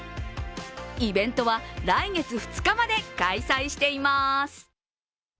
イベントは来月２日まで開催しています。